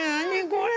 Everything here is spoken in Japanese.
これ。